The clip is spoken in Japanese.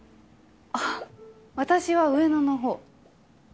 あっ私は上野の方。